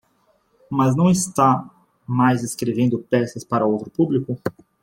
Mas não está mais escrevendo peças para outro público.